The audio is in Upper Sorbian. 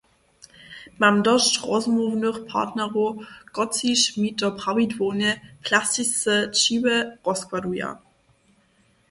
Mam dosć rozmołwnych partnerow, kotřiž mi to prawidłownje plastisce-čiłe rozkładuja.